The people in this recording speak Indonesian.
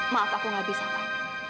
maaf aku tidak bisa tofan